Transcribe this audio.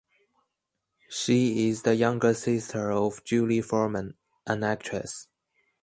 She is the younger sister of Julie Foreman, an actress.